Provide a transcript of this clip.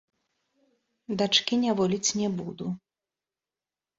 Дачкі няволіць не буду.